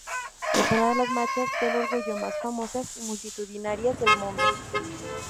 Es una de las marchas del orgullo más famosas y multitudinarias del mundo.